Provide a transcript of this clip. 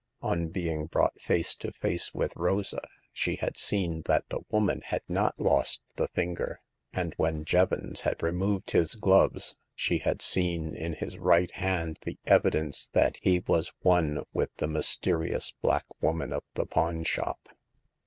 On being brought face to face with Rosa, she had seen that the woman had not lost the finger ; and when Jevons had removed his gloves she had seen in his right hand the evidence that he was one with the mysterious black woman of the pawn shop.